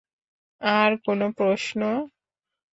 আর কোনও প্রশ্ন?